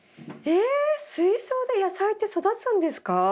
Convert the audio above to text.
えっ水槽で野菜って育つんですか？